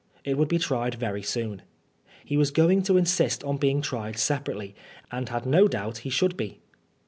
It would be tried very soon. He was going to insist on being tried separately, and had no doubt he should be.